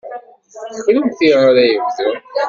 D kennemti ara yebdun.